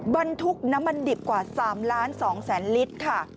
บรรทุกน้ำมันดิบกว่า๓๒๐๐๐ลิตรค่ะ